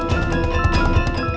tidak ada yang bisa diberikan